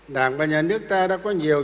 đảng và nhà nước ta đã có nhiều